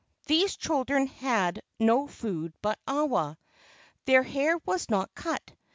These children had no food but awa. Their hair was not cut.